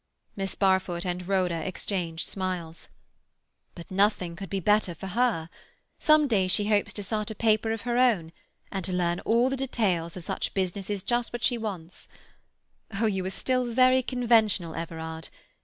Miss Barfoot and Rhoda exchanged smiles. "But nothing could be better for her. Some day she hopes to start a paper of her own, and to learn all the details of such business is just what she wants. Oh, you are still very conventional, Everard.